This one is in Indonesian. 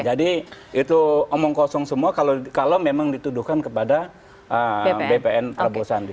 jadi itu omong kosong semua kalau memang dituduhkan kepada bpn prabowo sandi